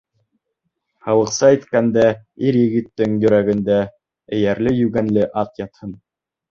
— Халыҡса әйткәндә, ир-егеттең йөрәгендә эйәрле-йүгәнле ат ятһын.